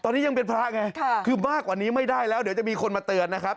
ตอนนี้ยังเป็นพระไงคือมากกว่านี้ไม่ได้แล้วเดี๋ยวจะมีคนมาเตือนนะครับ